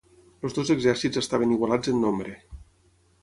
Els dos exèrcits estaven igualats en nombre.